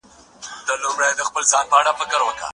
شاه د توکمیزو اختلافاتو ختمول غوښتل.